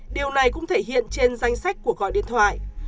điều này cũng thể hiện trên danh sách của gọi điện thoại